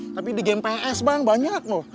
tapi di game ps bang banyak loh